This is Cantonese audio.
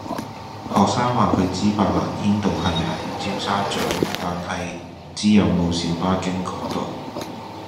學生話佢知白蘭軒道係喺尖沙咀，但係唔知有冇小巴經嗰度